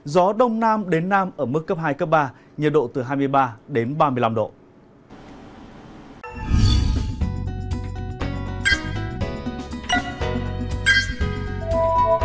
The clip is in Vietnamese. gió đông nam đến nam ở mức cấp hai cấp ba nhiệt độ từ hai mươi ba đến ba mươi năm độ